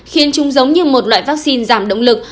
khiến chúng giống như một loại vaccine giảm động lực